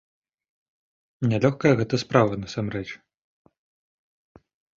Нялёгкая гэта справа насамрэч.